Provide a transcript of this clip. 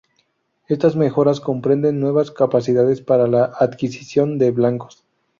Estas mejoras comprenden nuevas capacidades para la adquisición de blancos.